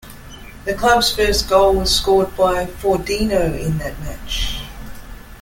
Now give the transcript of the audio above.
The club's first goal was scored by Fordinho in that match.